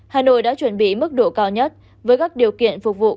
hà nội đã chuẩn bị mức độ cao nhất với các điều kiện phục vụ